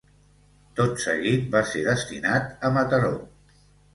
Tot seguit va ser destinat a Mataró.